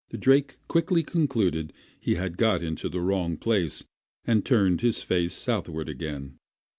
The drake quickly concluded he had got into the wrong place, and turned his face southward again.